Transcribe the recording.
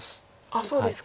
あっそうですか。